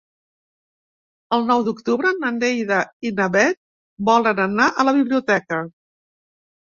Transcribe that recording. El nou d'octubre na Neida i na Bet volen anar a la biblioteca.